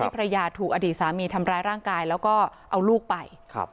ภรรยาถูกอดีตสามีทำร้ายร่างกายแล้วก็เอาลูกไป